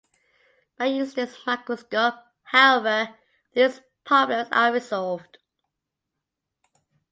By using this microscope, however, these problems are resolved.